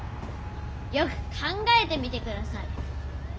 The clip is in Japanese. よく考えてみてください。